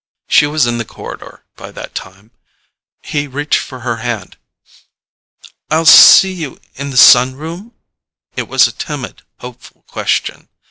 She was in the corridor by that time. He reached for her hand. "I'll see you in the sunroom?" It was a timid, hopeful question.